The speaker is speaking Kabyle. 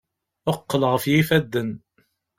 Qqel ɣef yifadden!